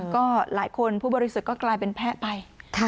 ก็หลายคนผู้บริสุทธิ์ก็กลายเป็นแพ้ไป